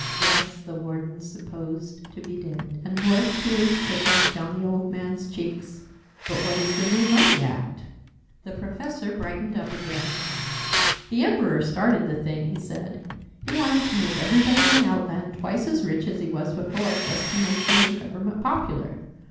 Yes, the Warden's supposed to be dead!" And more tears trickled down the old man's cheeks. "But what is the new Money Act?" The Professor brightened up again. "The Emperor started the thing," he said. "He wanted to make everybody in Outland twice as rich as he was before just to make the new Government popular.